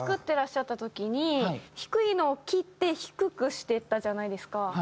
てらっしゃった時に低いのを切って低くしていったじゃないですか。